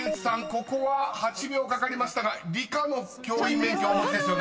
ここは８秒かかりましたが理科の教員免許お持ちですよね］